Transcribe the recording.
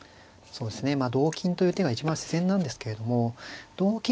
まあ同金という手が一番自然なんですけれども同金